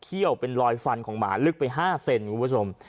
เขี้ยวเป็นรอยฟันของหมาลึกไป๕เซนครับคุณผู้ชม